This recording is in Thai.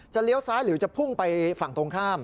เลี้ยวซ้ายหรือจะพุ่งไปฝั่งตรงข้าม